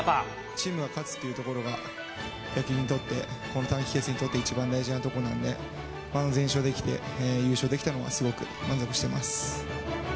チームが勝つっていうところが、野球にとって、この短期決戦にとって一番大事なところなので、全勝できて、優勝できたのは、すごく満足しています。